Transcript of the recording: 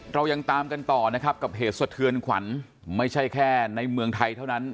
เรายังตามกันต่อนะครับกับเหตุสะเทือนขวัญไม่ใช่แค่ในเมืองไทยเท่านั้น